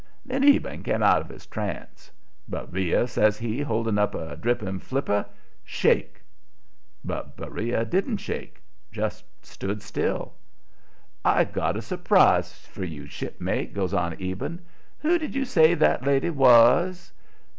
Then Eben came out of his trance. "Beriah," says he, holding out a dripping flipper, "shake!" But Beriah didn't shake. Just stood still. "I've got a s'prise for you, shipmate," goes on Eben. "Who did you say that lady was?"